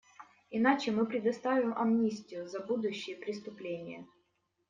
Иначе мы предоставим амнистию за будущие преступления.